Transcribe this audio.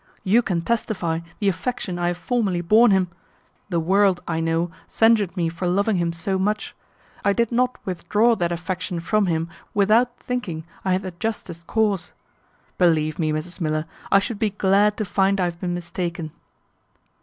You can testify the affection I have formerly borne him. The world, I know, censured me for loving him so much. I did not withdraw that affection from him without thinking I had the justest cause. Believe me, Mrs Miller, I should be glad to find I have been mistaken."